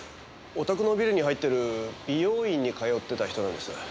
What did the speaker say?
おたくのビルに入ってる美容院に通ってた人なんです。